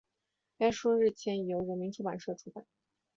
该书日前已由人民出版社出版